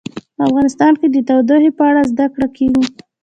افغانستان کې د تودوخه په اړه زده کړه کېږي.